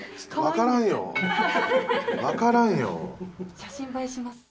写真映えします。